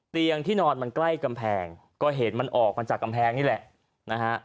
เตียงที่นอนมันใกล้กำแพงก็เห็นมันออกมาจากกำแพงนี่แหละนะฮะ